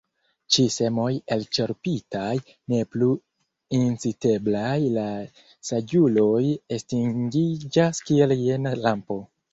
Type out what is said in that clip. Ĉi semoj elĉerpitaj, ne plu inciteblaj, la saĝuloj estingiĝas kiel jena lampo.